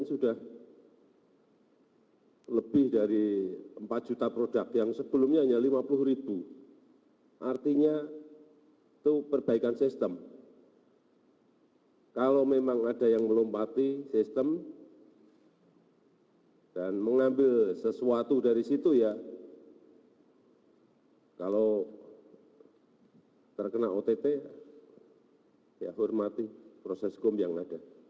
jokowi menyebut akan menghormati proses hukum serta mendorong pembendahan sistem pengadaan di kementerian dan lembaga